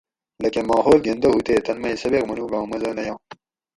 لکہ ماحول گندہ ہُو تے تن مئ سبِق منوگاں مزہ نہ یاں